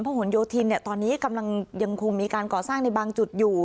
หนโยธินตอนนี้กำลังยังคงมีการก่อสร้างในบางจุดอยู่